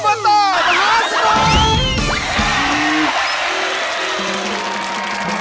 ออปอตตามหาสนุก